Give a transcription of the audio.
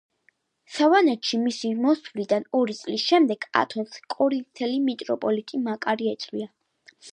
სავანეში მისი მოსვლიდან ორი წლის შემდეგ ათონს კორინთელი მიტროპოლიტი მაკარი ეწვია.